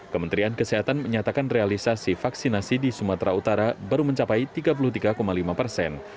kementerian kesehatan menyatakan realisasi vaksinasi di sumatera utara baru mencapai tiga puluh tiga lima persen